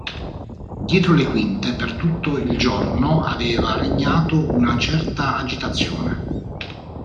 Dietro le quinte, per tutto il giorno, aveva regnato una certa agitazione.